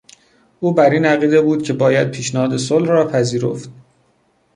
او بر این عقیده بود که باید پیشنهاد صلح را پذیرفت.